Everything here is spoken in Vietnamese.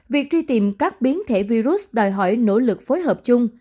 việc truy tìm các biến thể virus đòi hỏi nỗ lực phối hợp chung